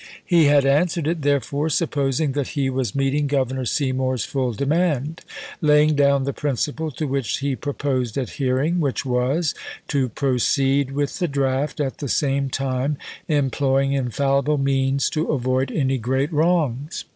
He had answered it, therefore, supposing that he was meeting Governor Seymour's full demand, laying down the principle to which he proposed adhering, which was " to proceed with the draft, at the same time employing infallible means to avoid any great wrongs."